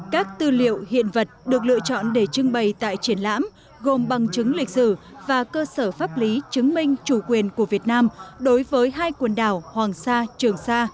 các tư liệu hiện vật được lựa chọn để trưng bày tại triển lãm gồm bằng chứng lịch sử và cơ sở pháp lý chứng minh chủ quyền của việt nam đối với hai quần đảo hoàng sa trường sa